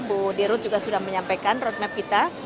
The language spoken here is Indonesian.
bu dirut juga sudah menyampaikan roadmap kita